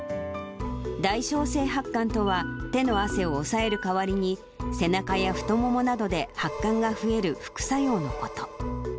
代償性発汗とは、手の汗を抑える代わりに、背中や太ももなどで発汗が増える副作用のこと。